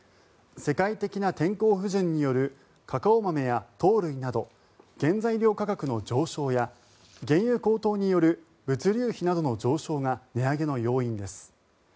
世界的な天候不順によるカカオ豆や糖類など原材料価格の上昇や原油高騰による物流費などの上昇が値上げの要因です。